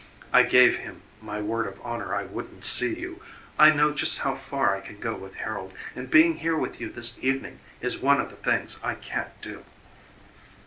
"I gave him my word of honor I wouldn't see you. I know just how far I can go with Harold, and being here with you this evening is one of the things I can't do."